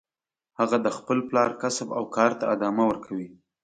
هغه د خپل پلار کسب او کار ته ادامه ورکوي